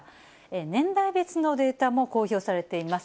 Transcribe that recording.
年代別のデータも公表されています。